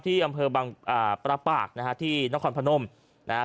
ที่อำเภอบางประปากนะฮะที่นครพนมนะฮะ